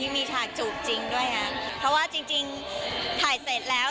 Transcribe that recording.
มีฉากจูบจริงด้วยนะเพราะว่าจริงจริงถ่ายเสร็จแล้ว